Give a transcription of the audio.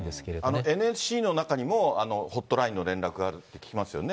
あのＮＳＣの中にもホットラインの連絡があると聞きますよね。